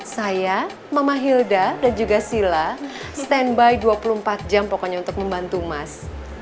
saya mama hilda dan juga sila standby dua puluh empat jam pokoknya untuk membantu mas